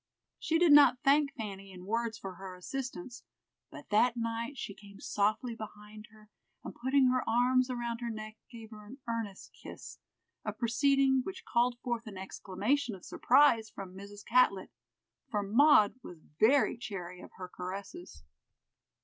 She did not thank Fanny in words for her assistance, but that night she came softly behind her, and putting her arms around her neck, gave her an earnest kiss, a proceeding which called forth an exclamation of surprise from Mrs. Catlett, for Maud was very chary of her caresses.